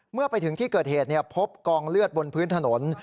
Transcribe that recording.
เมื่อไปถึงที่เกิดเหตุพบกองเลือดบนพื้นถนน